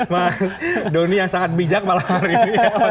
mas doni yang sangat bijak malam hari ini